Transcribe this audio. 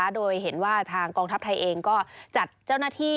โดยเห็นว่าทางกองทัพไทยเองก็จัดเจ้าหน้าที่